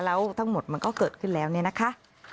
แล้วทั้งหมดมันก็เกิดขึ้นแล้วเนี่ยนะคะ